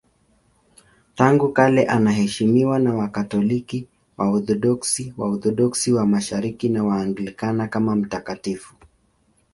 Tangu kale anaheshimiwa na Wakatoliki, Waorthodoksi, Waorthodoksi wa Mashariki na Waanglikana kama mtakatifu.